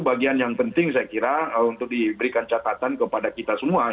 bagian yang penting saya kira untuk diberikan catatan kepada kita semua